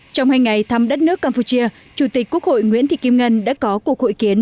trong hai ngày thăm đất nước campuchia chủ tịch quốc hội nguyễn thị kim ngân đã có cuộc hội kiến